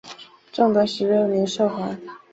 正德十六年赦还。